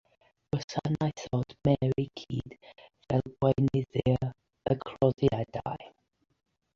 Gwasanaethodd Mary Chudd fel gweinyddwr y cloddiadau.